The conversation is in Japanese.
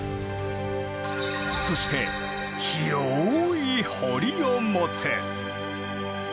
そして広い堀を持つ。